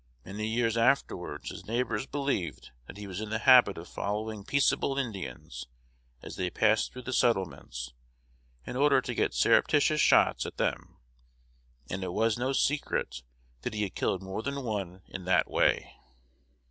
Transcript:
Many years afterwards, his neighbors believed that he was in the habit of following peaceable Indians, as they passed through the settlements, in order to get surreptitious shots at them; and it was no secret that he had killed more than one in that way.